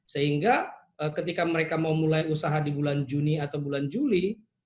sehingga ketika mereka mau mulai usaha di bulan juni atau bulan juli